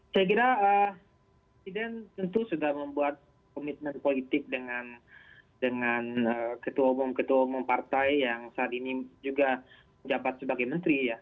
saya kira presiden tentu sudah membuat komitmen politik dengan ketua umum ketua umum partai yang saat ini juga menjabat sebagai menteri ya